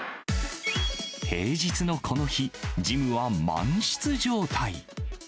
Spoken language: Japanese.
平日のこの日、ジムは満室状態。